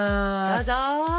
どうぞ！